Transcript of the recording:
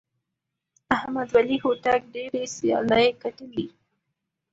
احمد ولي هوتک ډېرې سیالۍ ګټلي.